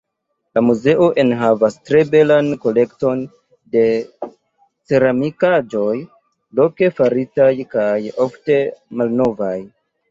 La muzeo enhavas tre belan kolekton da ceramikaĵoj, loke faritaj kaj ofte malnovaj.